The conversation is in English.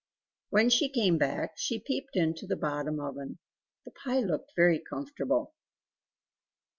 When she came back, she peeped into the bottom oven; the pie looked very comfortable.